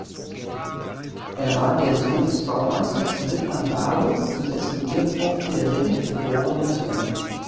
Er war der Sohn des Baumeisters Lipman Baruch und dessen Ehefrau Friederike geborene Zoellner.